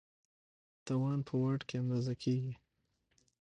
توان په واټ کې اندازه کېږي.